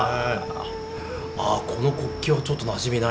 ああこの国旗はちょっとなじみないな。